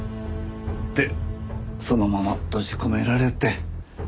でそのまま閉じ込められて。